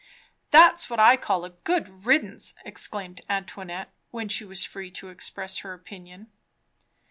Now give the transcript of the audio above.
"That's what I call a good riddance!" exclaimed Antoinette when she was free to express her opinion.